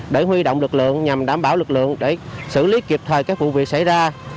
để huy động lực lượng nhằm đảm bảo lực lượng để xử lý kịp thời các vụ việc xảy ra